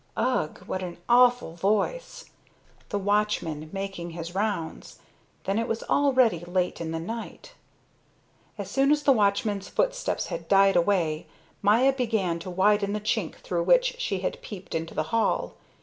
Ugh, what an awful voice! The watchman making his rounds. Then it was already late in the night. As soon as the watchman's footsteps had died away, Maya began to widen the chink through which she had peeped into the hall.